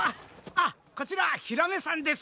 あっこちらヒラメさんです。